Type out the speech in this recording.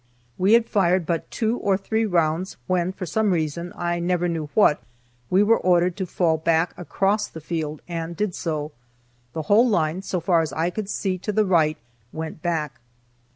We had fired but two or three rounds when, for some reason, I never knew what, we were ordered to fall back across the field, and did so. The whole line, so far as I could see to the right, went back.